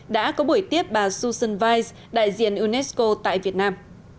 đã có buổi tiếp bà susan weiss đại diện unesco tại việt nam